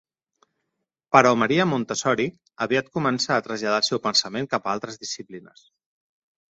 Però Maria Montessori aviat comença a traslladar el seu pensament cap a altres disciplines.